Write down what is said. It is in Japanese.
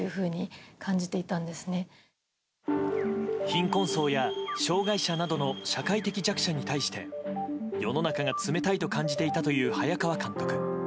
貧困層や障害者などの社会的弱者に対して世の中が冷たいと感じていたという早川監督。